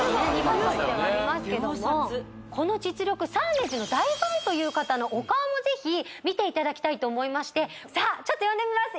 ２倍速ではありますけども秒殺この実力サーメージの大ファンという方のお顔もぜひ見ていただきたいと思いましてさあちょっと呼んでみます